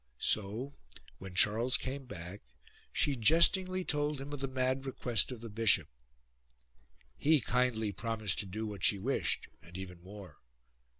So, w^hen Charles came back, she jestingly told him of the mad request of the bishop. He kindly promised to do what she wished and even more.